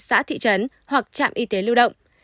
xã thị trấn hoặc trạm y tế lưu động